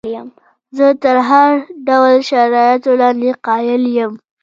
زه تر هر ډول شرایطو لاندې قایل یم.